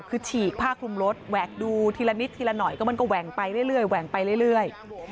คือฉีกผ้าคลุมรถแหวกดูทีละนิดทีละหน่อยก็มันก็แหว่งไปเรื่อยแหว่งไปเรื่อย